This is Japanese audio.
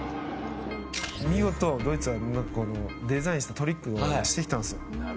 見事、ドイツはデザインしたトリックをしてきたんですよ。